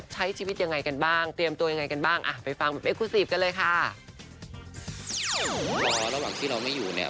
ระหว่างที่เราไม่อยู่เนี่ย